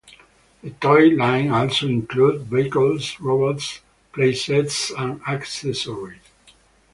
The toy line also included vehicles, robots, playsets and accessories.